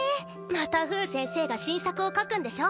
また風先生が新作を書くんでしょ？